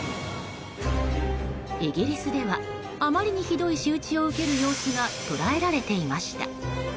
イギリスではあまりにひどい仕打ちを受ける様子が捉えられていました。